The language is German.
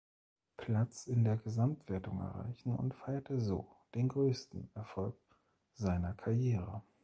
Platz in der Gesamtwertung erreichen und feierte so den größten Erfolg seiner Karriere.